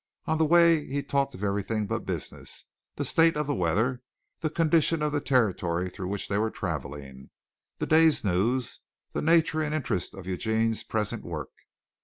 On the way he talked of everything but business the state of the weather, the condition of the territory through which they were traveling, the day's news, the nature and interest of Eugene's present work.